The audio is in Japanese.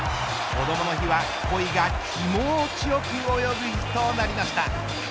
こどもの日は鯉が気持ちよく泳ぐ日となりました。